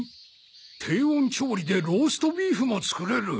「低温調理でローストビーフも作れる」？